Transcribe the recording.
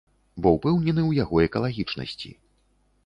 Бо ўпэўнены ў яго экалагічнасці.